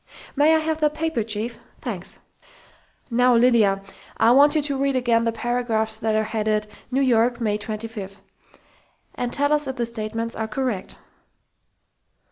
"May I have that paper, chief?... Thanks!... Now, Lydia, I want you to read again the paragraphs that are headed 'New York, May 25 ' and tell us if the statements are correct."